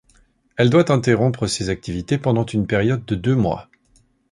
Elle doit interrompre ses activités pendant une période de deux mois.